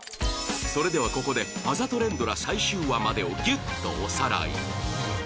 それではここであざと連ドラ最終話までをギュッとおさらい